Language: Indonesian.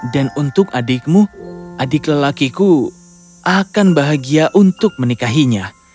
dan untuk adikmu adik lelakiku akan bahagia untuk menikahinya